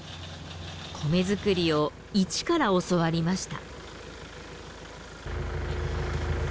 米作りをいちから教わりました。